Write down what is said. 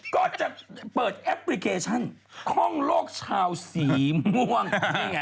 ก็จะเปิดแอปพลิเคชันข้องโลกชาวสีม่วง